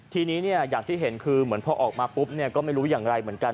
ทีนี้อย่างที่เห็นคือเหมือนพอออกมาปุ๊บก็ไม่รู้อย่างไรเหมือนกัน